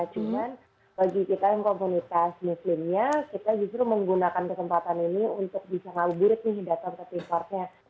cuman bagi kita yang komunitas muslimnya kita justru menggunakan kesempatan ini untuk bisa ngabuburit nih datang ke preparknya